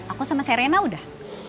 aku sama serena udah